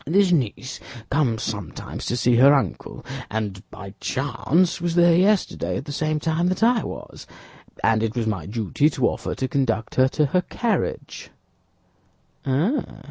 "This niece comes sometimes to see her uncle; and by chance was there yesterday at the same time that I was, and it was my duty to offer to conduct her to her carriage."